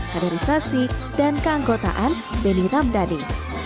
kaderisasi dan keanggotaan benny ramdhani